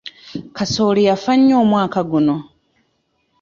Kasooli yafa nnyo omwaka guno.